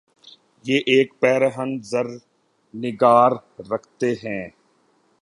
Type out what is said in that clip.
یہ ایک پیر ہنِ زر نگار رکھتے ہیں